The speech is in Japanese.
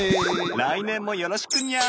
来年もよろしくニャン！